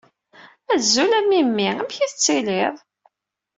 Azul a Mimi! Amek i tettiliḍ?